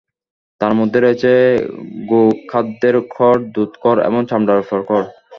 তার মধ্যে রয়েছে গো-খাদ্যের কর, দুধ-কর এবং চামড়ার উপর কর।